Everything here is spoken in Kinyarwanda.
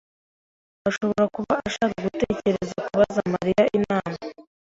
ashobora kuba ashaka gutekereza kubaza Mariya inama.